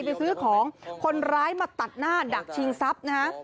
ไปซื้อของคนร้ายมาตัดหน้าดักชิงทรัพย์นะฮะ